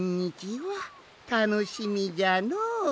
たのしみじゃの。